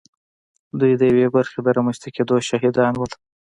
دوی د یوې برخې د رامنځته کېدو شاهدان وو